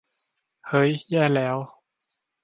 เฮ้ย แย่แล้ว !